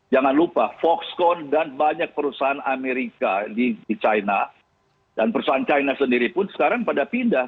jangan lupa foxcond dan banyak perusahaan amerika di china dan perusahaan china sendiri pun sekarang pada pindah